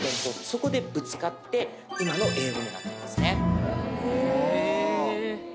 そこでぶつかって今の英語になったんですね